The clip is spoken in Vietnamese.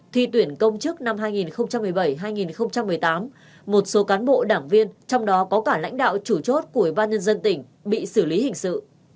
thi tuyển công chức năm hai nghìn một mươi bảy hai nghìn một mươi tám một số cán bộ đảng viên trong đó có cả lãnh đạo chủ chốt của ủy ban nhân dân tỉnh bị xử lý hình sự